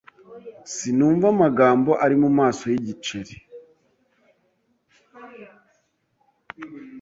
Sinumva amagambo ari mumaso yigiceri. )